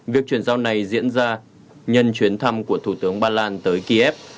việc chuyển giao này diễn ra nhân chuyến thăm của thủ tướng ba lan tới kiev